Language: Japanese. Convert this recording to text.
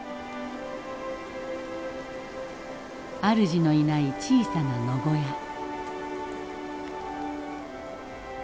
あるじのいない小さな野小屋。